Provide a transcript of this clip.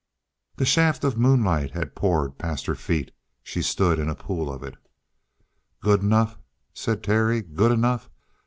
The shaft of moonlight had poured past her feet; she stood in a pool of it. "Good enough?" said Terry. "Good enough?"